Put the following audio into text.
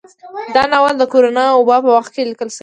دا ناول د کرونا وبا په وخت کې ليکل شوى